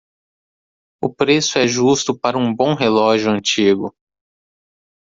O preço é justo para um bom relógio antigo.